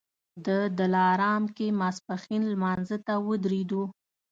د دلارام کې ماسپښین لمانځه ته ودرېدو.